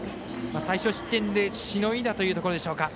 最少失点でしのいだというところでしょうか。